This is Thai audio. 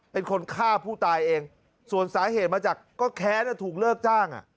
เป็นคนฆ่าผู้ตายเองส่วนสาเหตุมาจากก็แค้นถูกเลิกจ้าง